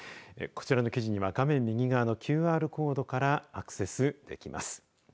こちらの記事は画面右側のＱＲコードからアクセスできます。